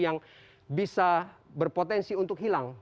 yang bisa berpotensi untuk hilang